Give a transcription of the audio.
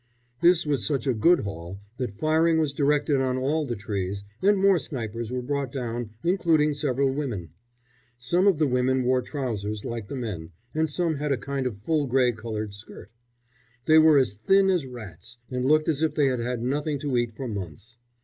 This was such a good haul that firing was directed on all the trees, and more snipers were brought down, including several women. Some of the women wore trousers, like the men, and some had a kind of full grey coloured skirt. They were as thin as rats, and looked as if they had had nothing to eat for months.